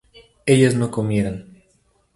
ellas no comieran